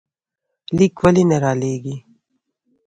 ليک ولې نه رالېږې؟